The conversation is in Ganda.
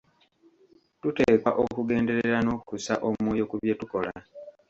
Tuteekwa okugenderera n'okussa omwoyo ku bye tukola.